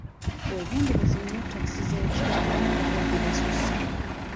Weegendereze nnyo takisi z'ekiro kubanga ababbi basusse.